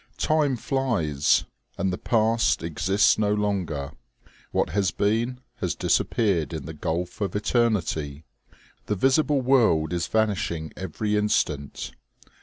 Time flies, and the past exists no longer ; what has been, has disappeared in the gulf of eternity. The visible world is vanishing every instant.